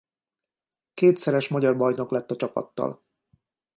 Kétszeres magyar bajnok lett a csapattal.